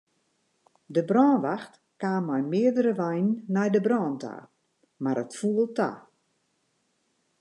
De brânwacht kaam mei meardere weinen nei de brân ta, mar it foel ta.